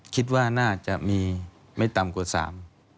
คิดว่าน่าจะมีไม่ต่ำกว่าสาม